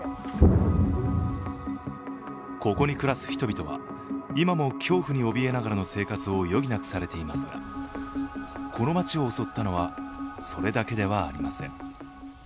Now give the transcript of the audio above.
ここに暮らす人々は今も恐怖におびえながらの生活を余儀なくされていますがこの町を襲ったのは、それだけではありません。